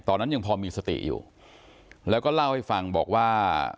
ยังพอมีสติอยู่แล้วก็เล่าให้ฟังบอกว่า